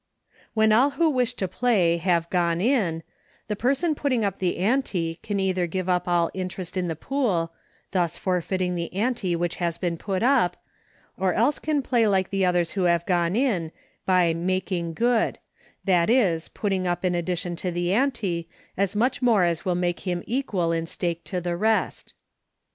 When all who wish to play have gone in, the person putting up the ante can either give up all interest in the pool, thus forfeiting the ante which has been put up, or else can play like the others who have gone in by " making good," that is, putting up in addition to the ante as much more as will make him equal in stake to the rest.